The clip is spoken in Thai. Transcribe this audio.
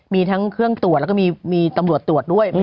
มีทั้งเครื่องตรวจแล้วก็มีตำรวจตรวจด้วย